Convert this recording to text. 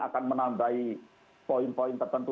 akan menambahi poin poin tertentu